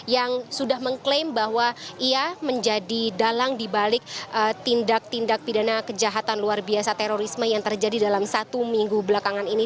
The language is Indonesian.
yang sudah mengklaim bahwa ia menjadi dalang dibalik tindak tindak pidana kejahatan luar biasa terorisme yang terjadi dalam satu minggu belakangan ini